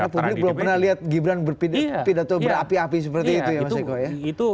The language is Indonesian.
karena publik belum pernah lihat gibran pidato berapi api seperti itu ya pak sekoy ya